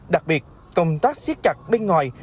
đặc biệt công tác siết chặt bên ngoài